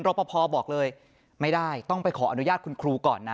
ปภบอกเลยไม่ได้ต้องไปขออนุญาตคุณครูก่อนนะ